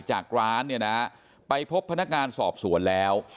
จากร้านไปพบพนักงานสอบสวนแล้ว